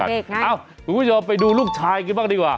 เอ้าคุณผู้ชมไปดูลูกชายกันบ้างดีกว่า